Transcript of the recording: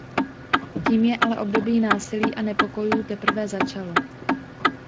Tím ale období násilí a nepokojů teprve začalo.